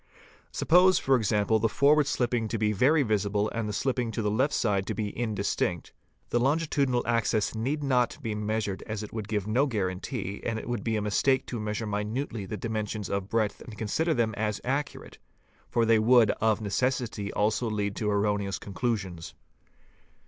Suppose for example the forward slipping to be very — visible and the slipping to the left side to be indistinct. The longitudinal q axis need not be measured as it would give no guarantee, and it would be a mistake to measure minutely the dimensions of breadth and consider — them as accurate, for they would of necessity also lead to erroneous conclusions.